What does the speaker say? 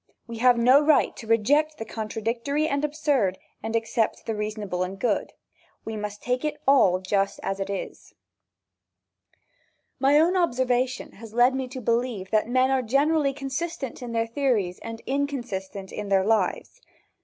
We have no right to reject the contradictory and absurd and accept the reasonable and good. We must take it all just as it is. My own observation has led me to believe that men are generally consistent in their theories and inconsistent in their lives.